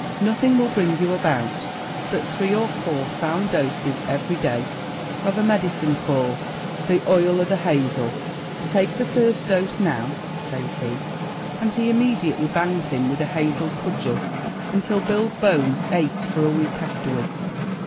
Nothing will bring you about but three or four sound doses every day of a medicine called 'the oil o' the hazel.' Take the first dose now," says he; and he immediately banged him with a hazel cudgel until Bill's bones ached for a week afterwards.